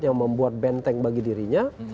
yang membuat benteng bagi dirinya